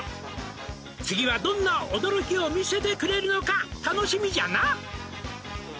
「次はどんな驚きを見せてくれるのか楽しみじゃな」